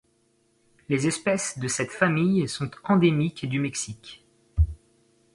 Les espèces de cette famille sont endémiques du Mexique.